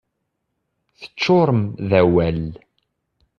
Teččurem d awal.